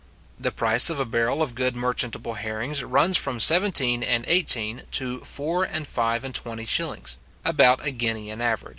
The price of a barrel of good merchantable herrings runs from seventeen and eighteen to four and five and twenty shillings; about a guinea at an average.